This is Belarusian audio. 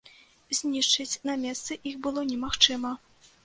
Знішчыць на месцы іх было немагчыма.